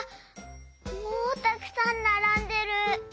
もうたくさんならんでる。